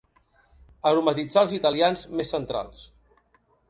Aromatitzar els italians més centrals.